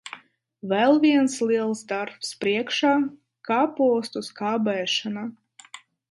Vēl viens liels darbs priekšā - kāpostu skābēšana.